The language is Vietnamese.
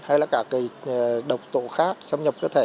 hay là các độc tổ khác xâm nhập cơ thể